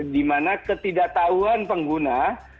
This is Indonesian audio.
dimana ketidaktahuan pengguna